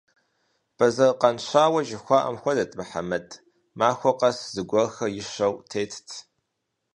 Бэзэр къан щауэ жыхуаӀэм хуэдэт Мухьэмэд: махуэ къэс зыгуэрхэр ищэу тетт.